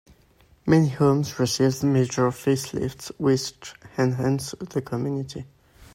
Many homes received major facelifts which enhanced the community.